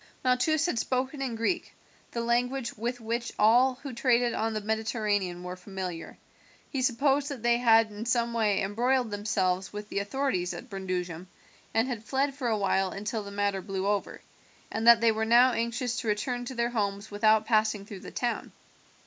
Malchus had spoken in Greek, the language with which all who traded on the Mediterranean were familiar. He supposed that they had in some way embroiled themselves with the authorities at Brundusium, and had fled for awhile until the matter blew over, and that they were now anxious to return to their homes without passing through the town.